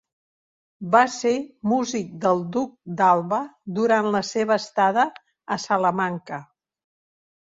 Va ser músic del duc d'Alba durant la seva estada a Salamanca.